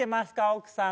奥さん。